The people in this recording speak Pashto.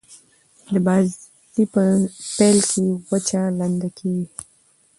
د بازي په پیل کښي وچه لنده کیږي.